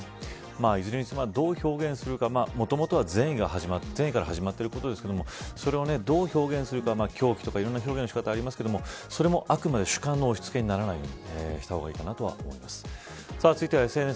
いずれにしてもどう表現するかもともとは善意から始まっていることですがそれをどう表現するか狂気とかいろんな表現の仕方がありますがそれもあくまでも、主観の押し付けにならないようにした方が、いいと思います。